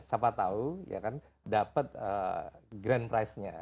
siapa tahu dapat grand price nya